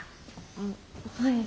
あっはい。